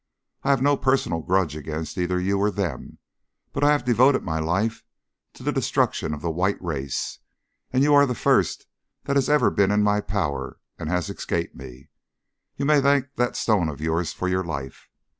I have no personal grudge against either you or them, but I have devoted my life to the destruction of the white race, and you are the first that has ever been in my power and has escaped me. You may thank that stone of yours for your life.